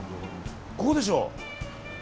ここでしょう！